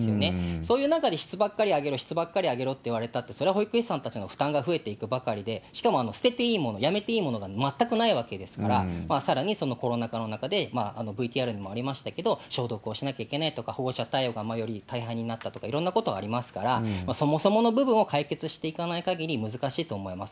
そういう中で質ばっかり上げろ、質ばっかり上げろって言われたって、それは保育士さんたちの負担が増えていくばかりで、しかも捨てていいもの、やめていいものが全くないわけですから、さらにコロナ禍の中で、ＶＴＲにもありましたけど、消毒をしなきゃいけないとか、保護者対応がより大変になったとか、いろんなことがありますから、そもそもの部分を解決していかないかぎり、難しいと思います。